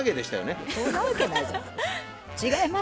違います。